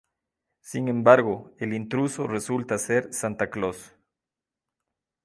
Sin embargo, el intruso resulta ser Santa Claus.